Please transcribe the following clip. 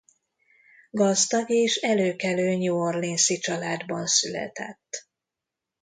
Gazdag és előkelő new orleans-i családban született.